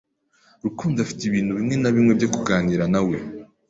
Rukundo afite ibintu bimwe na bimwe byo kuganira nawe.